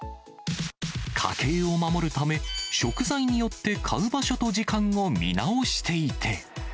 家計を守るため、食材によって買う場所と時間を見直していて。